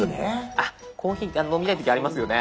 あっコーヒー飲みたい時ありますよね。